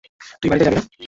তুই বাড়িতে যাবি না?